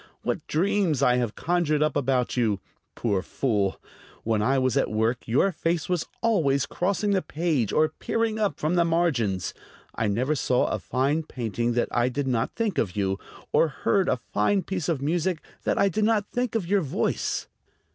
What dreams I have conjured up about you! Poor fool! When I was at work your face was always crossing the page or peering up from the margins. I never saw a fine painting that I did not think of you, or heard a fine piece of music that I did not think of your voice."